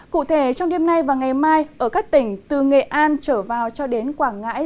cụ thể trong đêm nay và ngày mai ở các tỉnh từ nghệ an trở vào cho đến quảng ngãi